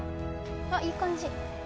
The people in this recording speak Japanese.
あっいい感じ。